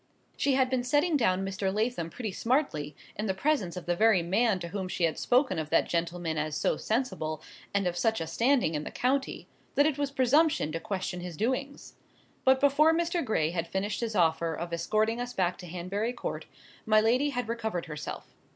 She had been setting down Mr. Lathom pretty smartly, in the presence of the very man to whom she had spoken of that gentleman as so sensible, and of such a standing in the county, that it was presumption to question his doings. But before Mr. Gray had finished his offer of escorting us back to Hanbury Court, my lady had recovered herself.